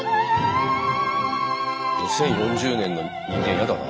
２０４０年の人間やだな。